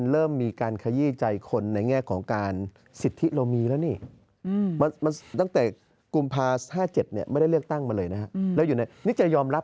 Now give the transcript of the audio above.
แล้วอยู่ในนี้จะยอมรับ